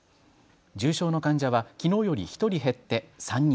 重症の患者はきのうより１人減って３人。